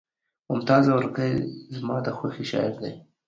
ممتاز اورکزے زما د خوښې شاعر دے